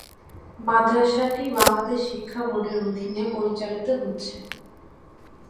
মাদ্রাসাটি বাংলাদেশ শিক্ষাবোর্ডের অধীনে পরিচালিত হচ্ছে।